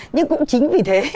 nhưng cũng chính vì thế